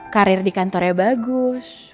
karir di kantornya bagus